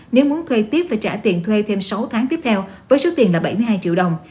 nếu muốn thuê tiếp phải trả tiền thuê thêm sáu tháng tiếp theo với số tiền là bảy mươi hai triệu đồng